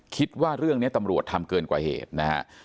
คิดว่าเรื่องนี้ตำรวจทำเกินกว่าเหตุนะฮะ